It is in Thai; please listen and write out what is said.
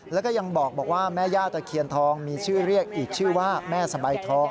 แล้วก็ยังบอกว่าแม่ย่าตะเคียนทองมีชื่อเรียกอีกชื่อว่าแม่สบายทอง